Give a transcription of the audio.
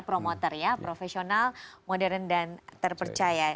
promoter ya profesional modern dan terpercaya